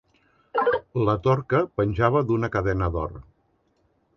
La torca penjava d'una cadena d'or.